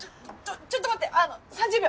ちょっと待ってあの３０秒！